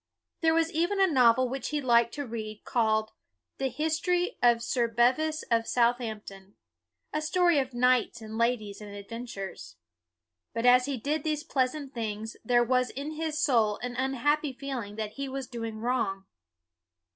There was even a novel which he liked to read, called the " History of Sir Bevis of Southampton," a story of knights and ladies and adventures. But as he did these pleasant things, there was in his soul an unhappy feeling that he was doing wrong.